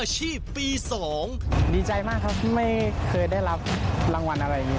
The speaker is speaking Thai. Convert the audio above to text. ปี๒ดีใจมากครับไม่เคยได้รับรางวัลอะไรอย่างนี้